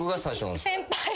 先輩。